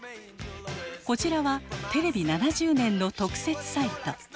こちらはテレビ７０年の特設サイト。